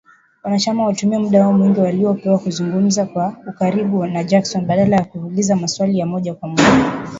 Wanachama walitumia muda wao mwingi waliopewa kuzungumza kwa ukaribu na Jackson, badala ya kuuliza maswali ya moja kwa moja